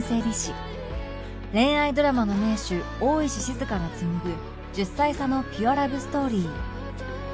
恋愛ドラマの名手大石静が紡ぐ１０歳差のピュアラブストーリー